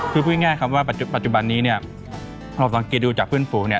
คือพูดง่ายครับว่าปัจจุบันนี้เนี่ยเราสังเกตดูจากเพื่อนฝูงเนี่ย